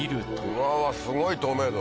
うわぁすごい透明度。